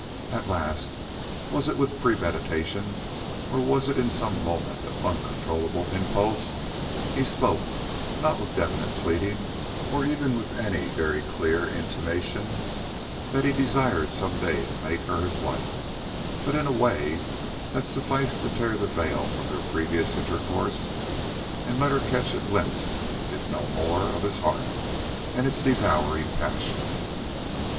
At last, was it with premeditation or was it in some moment of uncontrollable impulse, he spoke; not with definite pleading, or even with any very clear intimation that he desired some day to make her his wife, but in a way that sufficed to tear the veil from their previous intercourse and let her catch a glimpse, if no more, of his heart, and its devouring passion.